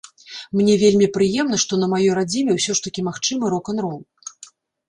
Мне вельмі прыемна, што на маёй радзіме ўсё ж такі магчымы рок-н-рол.